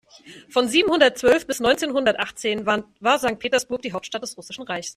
Von siebzehnhundertzwölf bis neunzehnhundertachtzehn war Sankt Petersburg die Hauptstadt des Russischen Reichs.